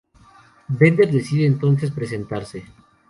Bender decide entonces presentarse.